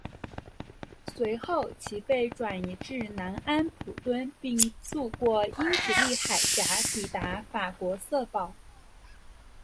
随后其被转移至南安普敦并渡过英吉利海峡抵达法国瑟堡。